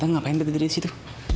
tante ada apa yang terjadi disitu